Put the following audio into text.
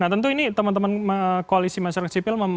nah tentu ini teman teman koalisi masyarakat sipil